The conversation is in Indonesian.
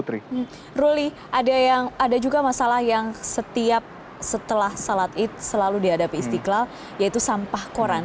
ruli ada juga masalah yang setiap setelah salat id selalu dihadapi istiqlal yaitu sampah koran